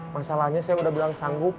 masalahnya saya udah bilang sanggup